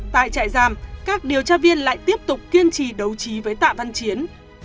tại trại giam các điều tra viên lại tiếp tục kiên trì đấu trí với tạ văn chiến